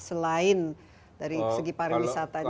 selain dari segi pariwisatanya